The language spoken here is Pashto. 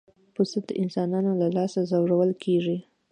پسه د انسانانو له لاسه روزل کېږي.